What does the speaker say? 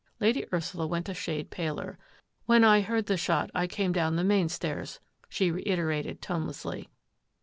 Lady Ursula went a shade paler. " When I heard the shot, I came down the main stairs," she reiterated tonelessly.